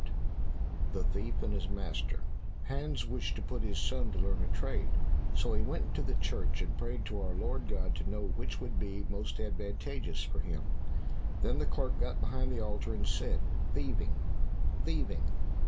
68 The Thief and his Master Hans wished to put his son to learn a trade, so he went into the church and prayed to our Lord God to know which would be most advantageous for him. Then the clerk got behind the altar, and said, "Thieving, thieving."